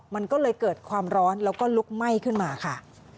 มันก็เลยเกิดความร้อนแล้วก็ลุกไหม้ขึ้นมาค่ะ